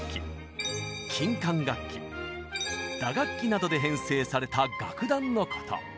などで編成された楽団のこと。